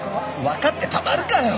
わかってたまるかよ！